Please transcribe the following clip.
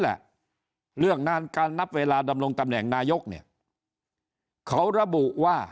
แหละเรื่องนานการนับเวลาดำรงตำแหน่งนายกเนี่ยเขาระบุว่า